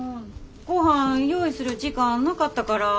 ごはん用意する時間なかったから。